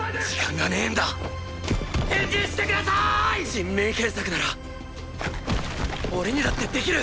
人命検索なら俺にだって出来る！！